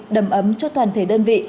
đầm ấm cho toàn thể đơn vị